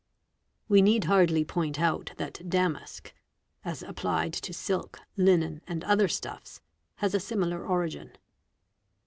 We need hardly point out that "damask" as applied to silk, linen, and ° her stuffs has a similar origin.